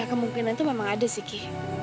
ya kemungkinan tuh memang ada sih ki